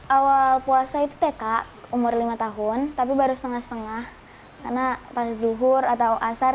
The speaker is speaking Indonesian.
awal puasa itu tk umur lima tahun tapi baru setengah setengah karena pas zuhur atau asar